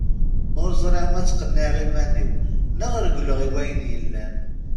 Ur ẓriɣ ma ttqenniɛeɣ iman-iw neɣ regleɣ i wayen yellan?